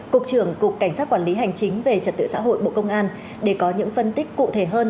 cục trưởng cục cảnh sát quản lý hành chính về trật tự xã hội bộ công an để có những phân tích cụ thể hơn